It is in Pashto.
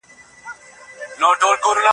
اوږدمهاله فشار ادراکي فعالیت کمزوری کوي.